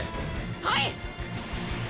はい！！